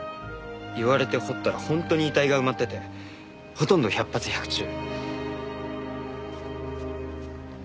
言われて掘ったら本当に遺体が埋まっててほとんど百発百中。